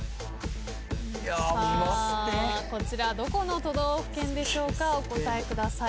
こちらどこの都道府県でしょうかお答えください。